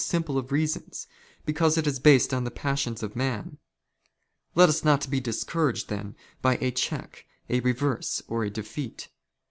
''simple of reasons, because it is based on the passions of man. " Let us not be discouraged then by a check, a reverse, or a " defeat.